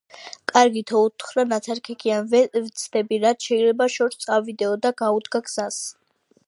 კარგითო, - უთხრა ნაცარქექიამ, - ვეცდები, რაც შეიძლება შორს წავიდეო, - და გაუდგა გზას.